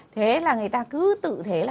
thế là người ta cứ tự thế là